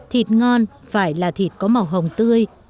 thịt ngon phải là thịt có màu hồng tươi